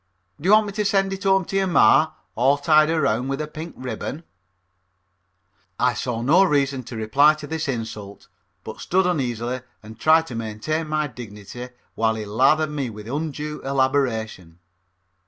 Do you want me to send it home to your ma, all tied around with a pink ribbon?" I saw no reason to reply to this insult, but stood uneasily and tried to maintain my dignity while he lathered me with undue elaboration.